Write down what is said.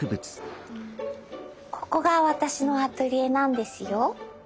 ここが私のアトリエなんですよ。